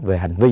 về hành vi